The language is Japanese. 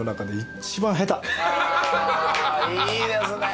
いいですね。